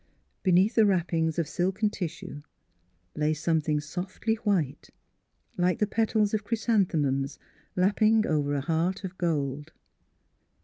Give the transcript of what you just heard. Beneath the wrappings of silken tissue lay something softly white, like the petals of chrysanthemums lapping over a heart of gold.